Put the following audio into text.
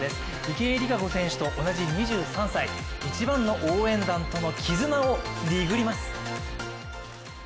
池江璃花子選手と同じ２３歳、一番の応援団との絆をＤＩＧります。